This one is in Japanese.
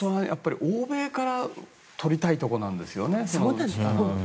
欧米からとりたいところなんですよね。